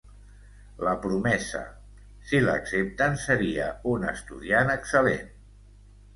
La promesa: si l'accepten, seria un estudiant excel.lent.